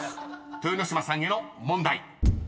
豊ノ島さんへの問題］